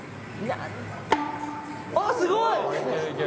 あすごい！